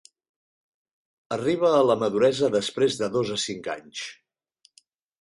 Arriba a la maduresa després de dos a cinc anys.